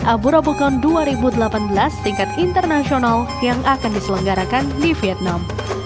abu robocon dua ribu delapan belas tingkat internasional yang akan diselenggarakan di vietnam